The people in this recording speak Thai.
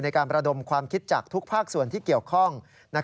การประดมความคิดจากทุกภาคส่วนที่เกี่ยวข้อง